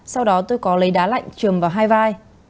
sau đó tôi có lấy đá lạnh trường vào hai vai